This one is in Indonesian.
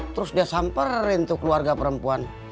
terus dia samperin tuh keluarga perempuan